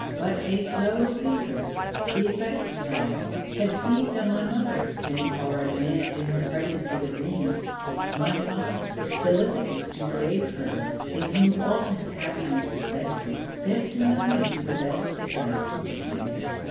But a slow fever, the effect of sorrow, had seized on my mother, then far advanced in her pregnancy with me; my father, solicitous to save her in whom all his happiness was centered, sent to London for the best advice to attend her.